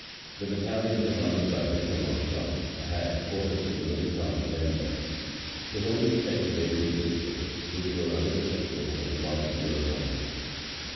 the battalion commanded by Victor Marchand was quartered in the little town of Menda, to hold in check the neighboring districts, which were under the control of the Marquis de Leganes.